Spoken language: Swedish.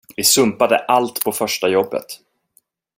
Vi sumpade allt på första jobbet.